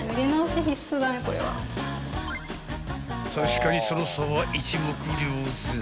［確かにその差は一目瞭然］